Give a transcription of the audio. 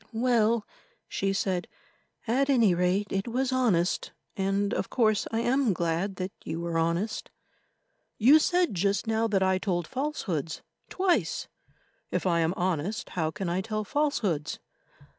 "Well," she said, "at any rate it was honest, and of course I am glad that you were honest." "You said just now that I told falsehoods—twice; if I am honest, how can I tell falsehoods?"